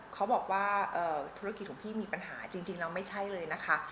เขาบอกว่าธุรกิจของพี่มีปัญหาจริงแล้วไม่ใช่เลยนะคะ